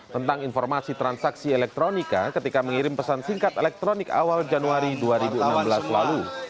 tentang informasi transaksi elektronika ketika mengirim pesan singkat elektronik awal januari dua ribu enam belas lalu